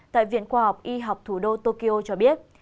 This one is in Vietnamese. tại viện khoa học y học thủ đô tokyo cho biết